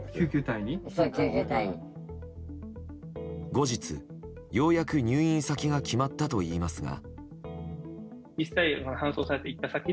後日、ようやく入院先が決まったといいますが。